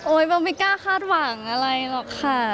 เบลไม่กล้าคาดหวังอะไรหรอกค่ะ